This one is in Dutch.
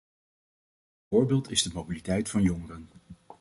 Een voorbeeld is de mobiliteit van jongeren.